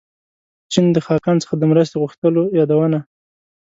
چین د خاقان څخه د مرستې غوښتلو یادونه.